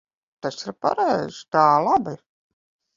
Tas ir pareizi. Tā labi.